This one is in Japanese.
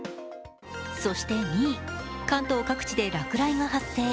そして２位、関東各地で落雷が発生。